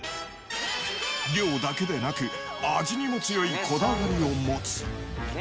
量だけでなく、味にも強いこだわりを持つ。